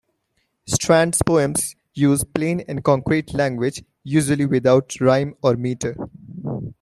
Strand's poems use plain and concrete language, usually without rhyme or meter.